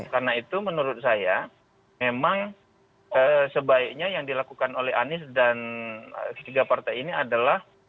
karena itu menurut saya memang sebaiknya yang dilakukan oleh anies dan tiga partai ini adalah